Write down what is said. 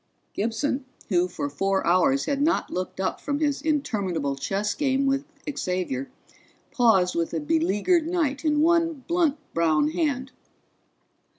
Gibson, who for four hours had not looked up from his interminable chess game with Xavier, paused with a beleaguered knight in one blunt brown hand.